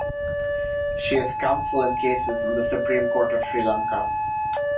She is counsel in cases in the Supreme Court of Sri Lanka.